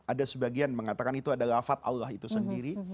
ada sebagian mengatakan itu adalah wafat allah itu sendiri